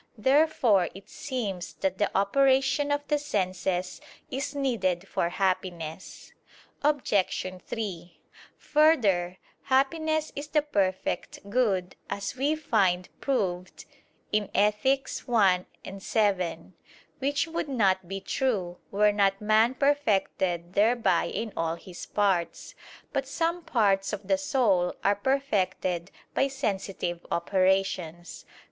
Therefore it seems that the operation of the senses is needed for happiness. Obj. 3: Further, happiness is the perfect good, as we find proved in Ethic. i, 7: which would not be true, were not man perfected thereby in all his parts. But some parts of the soul are perfected by sensitive operations.